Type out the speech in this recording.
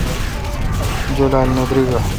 جولال نہ دریگہ۔